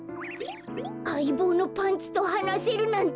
あいぼうのパンツとはなせるなんて。